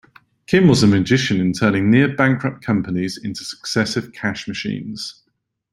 Kim was a magician in turning near-bankrupt companies into successive cash machines.